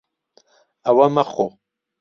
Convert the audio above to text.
ئەوە مەخۆ.